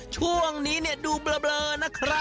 ช่วงนี้ดูเบลอนะครับ